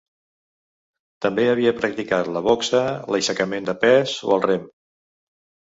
També havia practicat la boxa, l'aixecament de pes o el rem.